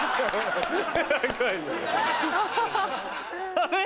あれ？